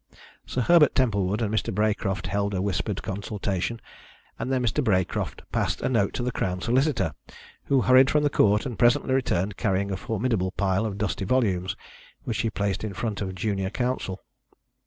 Sir Herbert Templewood and Mr. Braecroft held a whispered consultation, and then Mr. Braecroft passed a note to the Crown Solicitor, who hurried from the court and presently returned carrying a formidable pile of dusty volumes, which he placed in front of junior counsel.